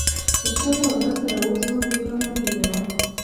له شجاع الدوله سره اوس هم وېره موجوده وه.